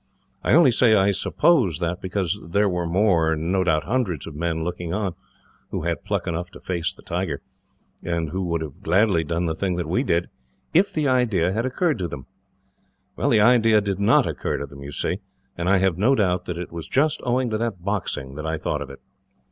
I only say I suppose that, because there were, no doubt, hundreds of men looking on who had pluck enough to face the tiger, and who would have gladly done the thing that we did, if the idea had occurred to them. The idea did not occur to them, you see, and I have no doubt that it was just owing to that boxing that I thought of it.